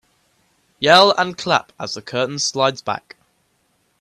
Yell and clap as the curtain slides back.